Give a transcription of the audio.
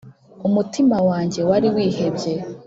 Umutima wanjye wari wihebye,